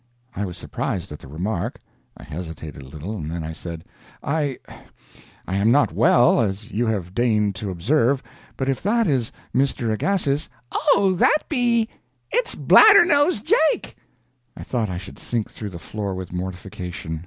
I was surprised at the remark. I hesitated a little, and then I said: "I—I am not well, as you have deigned to observe, but if that is Mr. Agassiz—" "Oh, that be—. It's Bladder nose Jake." I thought I should sink through the floor with mortification.